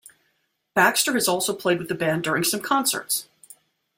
Baxter has also played with the band during some concerts.